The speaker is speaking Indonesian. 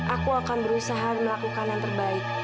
aku akan berusaha melakukan yang terbaik